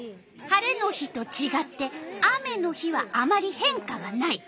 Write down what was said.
晴れの日とちがって雨の日はあまり変化がない。